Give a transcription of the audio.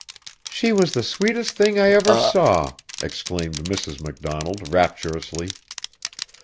"She was the sweetest thing I ever saw," exclaimed Mrs. MacDonald rapturously.